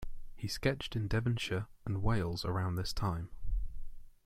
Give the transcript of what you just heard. He sketched in Devonshire and Wales around this time.